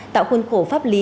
tạo khuôn khổ pháp lý